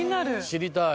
知りたい。